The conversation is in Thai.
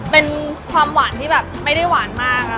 เป็นความหวานที่แบบไม่ได้หวานมาก